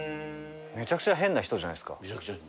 めちゃくちゃ変な人じゃないっすか。